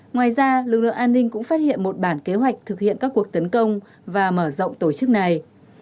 ngoài ra lực lượng an ninh cũng phát hiện một bản kế hoạch thực hiện các cuộc tấn công và mở rộng tổ chức này